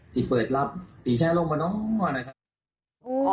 ที่เปิดรับตีแช่ลงมาเนอะนะครับ